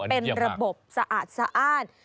เป็นระบบสะอาด